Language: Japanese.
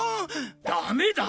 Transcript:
ダメだ！